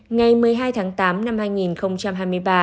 ngày một mươi hai tháng tám năm hai nghìn hai mươi ba